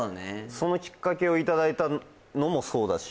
そのきっかけをいただいたのもそうだし